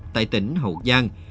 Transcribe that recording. tại tỉnh hậu giang